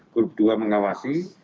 grup dua mengawasi